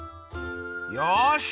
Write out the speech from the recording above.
よし！